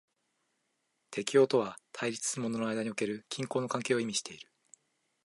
適応とは対立するものの間における均衡の関係を意味している。